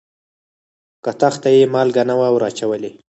کتغ ته یې مالګه نه وه وراچولې.